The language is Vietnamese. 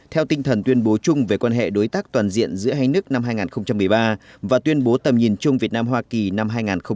theo tinh thần tuyên bố chung về quan hệ đối tác toàn diện giữa hai nước năm hai nghìn một mươi ba và tuyên bố tầm nhìn chung việt nam hoa kỳ năm hai nghìn một mươi chín